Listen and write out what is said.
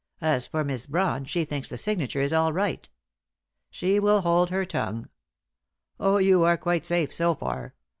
As for Miss Brawn, she thinks the signature is all right. She will hold her tongue. Oh, you are quite safe so far.